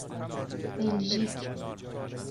بلژیک